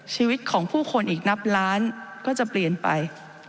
ชีวิตของผู้คนอีกนับล้านก็จะเปลี่ยนไป